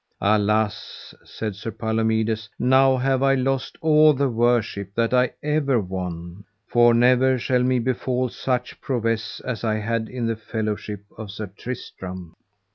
Alas, said Sir Palomides, now have I lost all the worship that ever I won, for never shall me befall such prowess as I had in the fellowship of Sir Tristram.